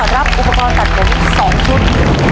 รับอุปกรณ์ตัดผม๒ชุด